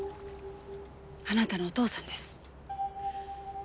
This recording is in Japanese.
あなたのお父さんです。